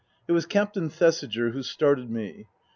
It was Captain Thesiger who started me.